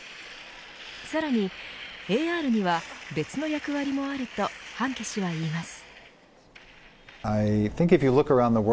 さらにＡＲには別の役割もあるとハンケ氏は言います。